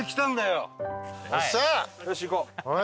よし行こう。